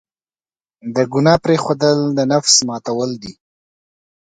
د ګناه پرېښودل، د نفس ماتول دي.